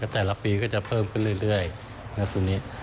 แต่ละปีก็จะเพิ่มขึ้นเรื่อยนะทีนี้